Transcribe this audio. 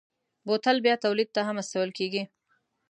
بوتل بیا تولید ته هم استول کېږي.